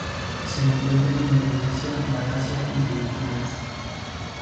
Se encuentra en Indonesia Malasia y Filipinas.